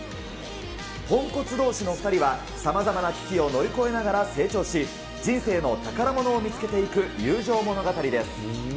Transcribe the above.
ポンコツどうしの２人は、さまざまな危機を乗り越えながら成長し、人生の宝物を見つけていく友情物語です。